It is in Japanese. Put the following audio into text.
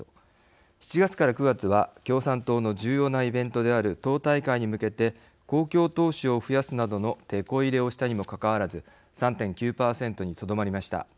７月から９月は共産党の重要なイベントである党大会に向けて公共投資を増やすなどのテコ入れをしたにもかかわらず３．９％にとどまりました。